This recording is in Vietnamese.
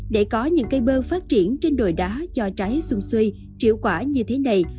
để có những cây bơ phát triển trên đồi đá cho trái xung xuê triệu quả như thế này